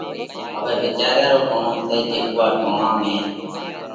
هوئہ وِيچاريا رو ٽوڻو سئہ جي اُوئا ٽوڻا ۾